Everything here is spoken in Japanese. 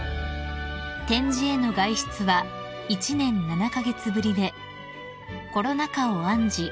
［展示への外出は１年７カ月ぶりでコロナ禍を案じ